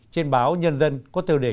trên báo nhân dân có tiêu đề